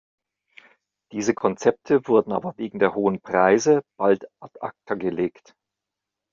Diese Konzepte wurden aber wegen der hohen Preise bald ad acta gelegt.